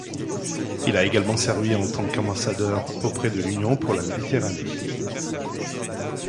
Il a également servi en tant qu'ambassadeur auprès de l'Union pour la Méditerranée.